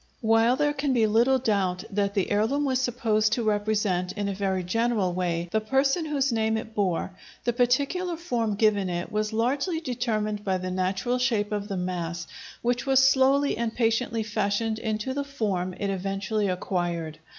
While there can be little doubt that the heirloom was supposed to represent, in a very general way, the person whose name it bore, the particular form given it was largely determined by the natural shape of the mass, which was slowly and patiently fashioned into the form it eventually acquired.